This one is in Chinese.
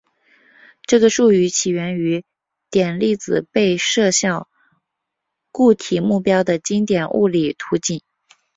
这个术语起源于点粒子被射向固体目标的经典物理图景。